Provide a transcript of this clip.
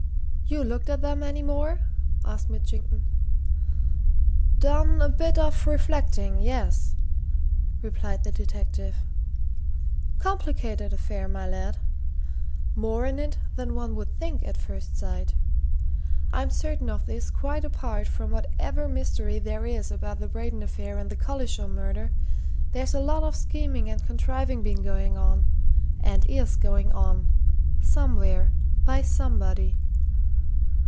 "You looked at 'em any more?" asked Mitchington. "Done a bit of reflecting yes," replied the detective. "Complicated affair, my lad! More in it than one would think at first sight. I'm certain of this quite apart from whatever mystery there is about the Braden affair and the Collishaw murder, there's a lot of scheming and contriving been going on and is going on! somewhere, by somebody.